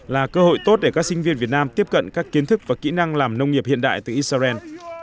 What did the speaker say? là cơ hội tốt để các sinh viên việt nam tiếp cận các kiến thức và kỹ năng làm nông nghiệp hiện đại từ israel